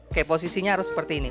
oke posisinya harus seperti ini